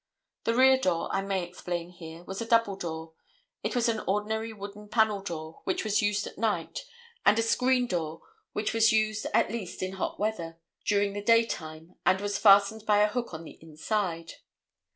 The rear door, I may explain here, was a double door; it was an ordinary wooden panel door which was used at night, and a screen door, which was used, at least, in hot weather, during the day time and was fastened by a hook on the inside.